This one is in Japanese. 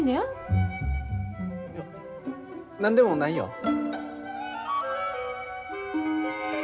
いや何でもないよ。